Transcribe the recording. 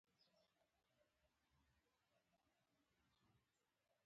د احمد اندېښنو بې اوره و سوزولم.